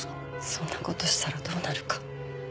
そんな事したらどうなるか。